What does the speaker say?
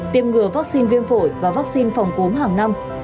tiêm ngừa vaccine viêm phổi và vaccine phòng cốm hạm